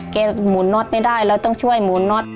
หมุนน็อตไม่ได้เราต้องช่วยหมุนน็อต